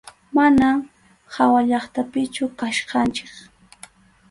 Manam hawallaqtapichu kachkanchik.